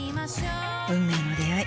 運命の出会い。